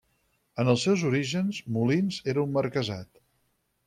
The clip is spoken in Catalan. En els seus orígens, Molins era un marquesat.